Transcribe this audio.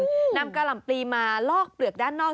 อู้นำการำปลีมาลอกเปลือกด้านนอก